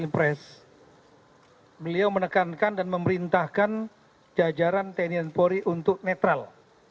beliau menekankan dan memerintahkan jajaran tni dan polri untuk netral